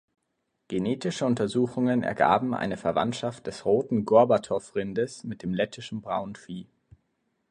Genetische Untersuchungen ergaben eine Verwandtschaft des Roten Gorbatow-Rindes mit dem Lettischen Braunvieh.